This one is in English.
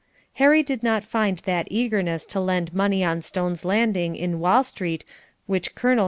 Harry did not find that eagerness to lend money on Stone's Landing in Wall street which Col.